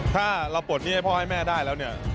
ถ้าเราปลดหนี้ให้พ่อให้แม่ได้แล้วเนี่ย